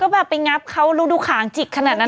เกิดไปงับเขารู้ดูขางจิกขนาดนั้นนะ